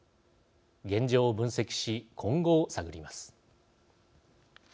現状を分析し、今後を探ります。